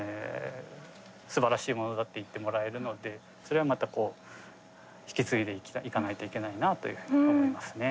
すばらしいものだって言ってもらえるのってそれはまたこう引き継いでいかないといけないなというふうに思いますね。